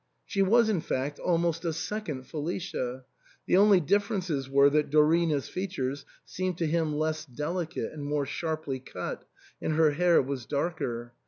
She was in fact almost a second Felicia ; the only differences were that Dorina's features seemed to him less delicate and more sharply cut, and her hair was darker.